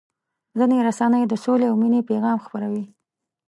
ځینې رسنۍ د سولې او مینې پیغام خپروي.